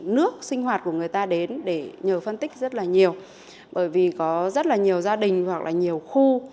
nước sinh hoạt của người ta đến để nhờ phân tích rất là nhiều bởi vì có rất là nhiều gia đình hoặc là nhiều khu